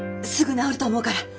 すぐ治ると思うから。